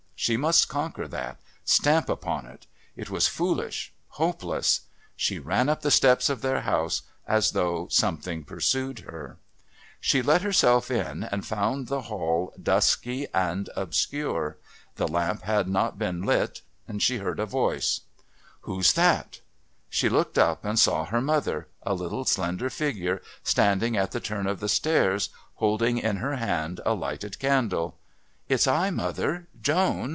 She must conquer that, stamp upon it. It was foolish, hopeless.... She ran up the steps of their house as though something pursued her. She let herself in and found the hall dusky and obscure. The lamp had not yet been lit. She heard a voice: "Who's that?" She looked up and saw her mother, a little, slender figure, standing at the turn of the stairs holding in her hand a lighted candle. "It's I, mother, Joan.